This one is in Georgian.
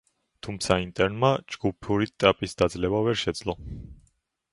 თუმცა „ინტერმა“ ჯგუფური ეტაპის დაძლევა ვერ შეძლო.